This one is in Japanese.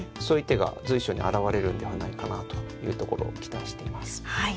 そういう手が随所に現れるんではないかなというところを期待しています。